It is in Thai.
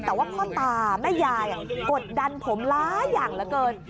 แต่ว่าพ่อตาแม่ยายกดดันผมหลายอย่างเหลือเกิน